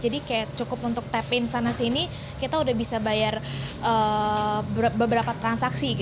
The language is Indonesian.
jadi cukup untuk tap in sana sini kita sudah bisa bayar beberapa transaksi